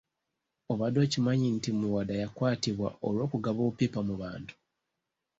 Obadde tokimanyi nti Muwada yakwatibwa olw’okugaba obupipa mu bantu.